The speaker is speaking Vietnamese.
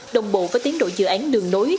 đồng bộ với tiến đội dự án đường nối